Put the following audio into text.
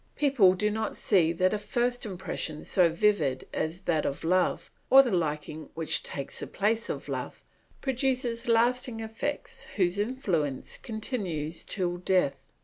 People do not see that a first impression so vivid as that of love, or the liking which takes the place of love, produces lasting effects whose influence continues till death.